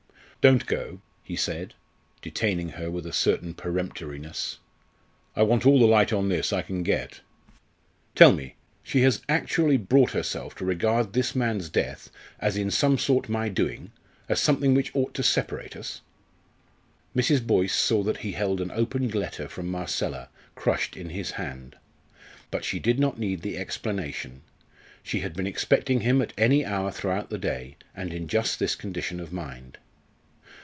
"Don't go," he said, detaining her with a certain peremptoriness. "I want all the light on this I can get. Tell me, she has actually brought herself to regard this man's death as in some sort my doing as something which ought to separate us?" Mrs. Boyce saw that he held an opened letter from Marcella crushed in his hand. But she did not need the explanation. She had been expecting him at any hour throughout the day, and in just this condition of mind.